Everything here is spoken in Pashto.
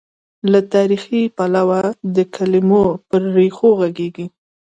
له تاریخي، پلوه د کلمو پر ریښو غږېږي.